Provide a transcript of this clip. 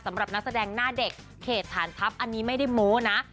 สำหรับนักแสดงหน้าเด็กเขตฐานทัพอันนี้ไม่ได้โม้นะ